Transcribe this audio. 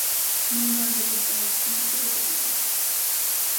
Nun haben wir dies beim letzten Mal zurückgewiesen.